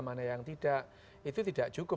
mana yang tidak itu tidak cukup